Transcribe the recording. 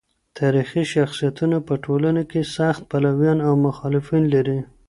تاریخي شخصیتونه په ټولنه کي سخت پلویان او مخالفین لري.